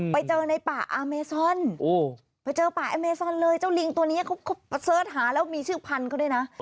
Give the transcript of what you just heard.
ไปเจอในป่าอาเมซอนไปเจอป่าอเมซอนเลยเจ้าลิงตัวนี้เขาประเสริฐหาแล้วมีชื่อพันธุ์เขาด้วยนะ